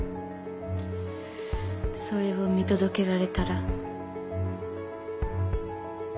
それを見届けられたら？